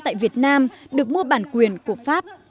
tại việt nam được mua bản quyền của pháp